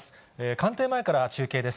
官邸前から中継です。